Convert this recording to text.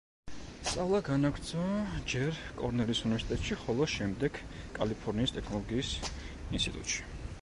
სწავლა განაგრძო ჯერ კორნელის უნივერსიტეტში ხოლო შემდეგ კალიფორნიის ტექნოლოგიის ინსტიტუტში.